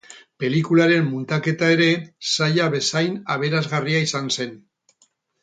Pelikularen muntaketa ere zaila bezain aberasgarria izan zen.